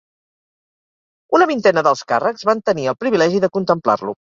Una vintena d'alts càrrecs van tenir el privilegi de contemplar-lo.